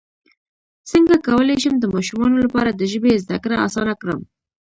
څنګه کولی شم د ماشومانو لپاره د ژبې زدکړه اسانه کړم